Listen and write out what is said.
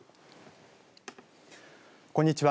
こんにちは。